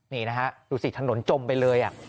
นี่นะฮะดูสิถนนจมไปเลย